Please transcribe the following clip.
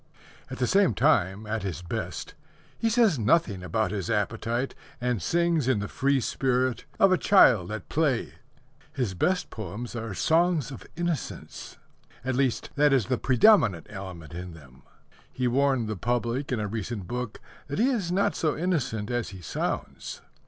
At the same time, at his best, he says nothing about his appetite, and sings in the free spirit of a child at play. His best poems are songs of innocence. At least, that is the predominant element in them. He warned the public in a recent book that he is not so innocent as he sounds.